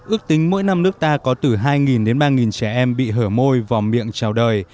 ước tính mỗi năm nước ta có từ hai đến ba trẻ em bị hở môi vào miệng trào đời